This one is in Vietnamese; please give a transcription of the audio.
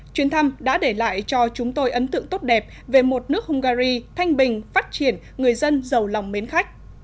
chuyến thăm đã để lại cho chúng tôi ấn tượng tốt đẹp về một nước hungary thanh bình phát triển người dân giàu lòng mến khách